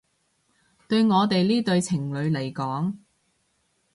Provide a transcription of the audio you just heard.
對我哋呢對情侶嚟講